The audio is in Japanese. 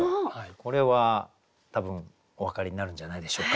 これは多分お分かりになるんじゃないでしょうか？